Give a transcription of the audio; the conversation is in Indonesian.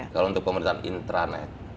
kalau untuk pemerintahan intranet